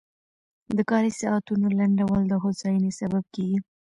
د کاري ساعتونو لنډول د هوساینې سبب کېږي.